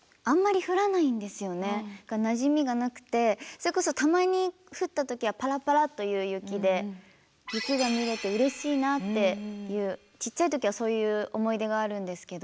だからなじみがなくてそれこそたまに降った時はパラパラという雪で雪が見れてうれしいなっていうちっちゃい時はそういう思い出があるんですけど。